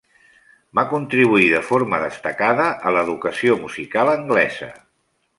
Va contribuir de forma destacada a l'educació musical anglesa.